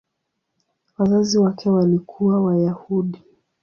Wazazi wake walikuwa Wayahudi.